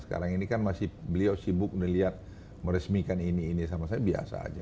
sekarang ini kan masih beliau sibuk melihat meresmikan ini ini sama saya biasa aja